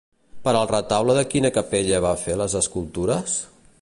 Per al retaule de quina capella va fer les escultures?